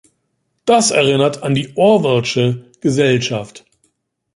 Das erinnert an die Orwellsche Gesellschaft.